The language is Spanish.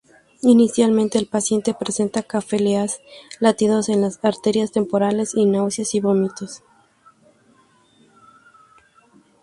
Inicialmente, el paciente presenta cefaleas, latidos en las arterias temporales, y náuseas y vómitos.